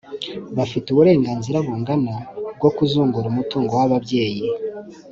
bafite uburenganzira bungana bwo kuzungura umutungo w'ababyeyi